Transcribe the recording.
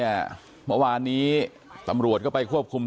เพราะไม่เคยถามลูกสาวนะว่าไปทำธุรกิจแบบไหนอะไรยังไง